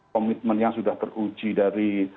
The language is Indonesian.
komitmen yang sudah teruji dari